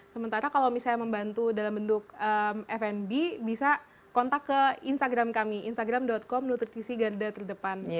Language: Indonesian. sementara kalau misalnya membantu dalam bentuk fnb bisa kontak ke instagram kami instagram com nutrisi garda terdepan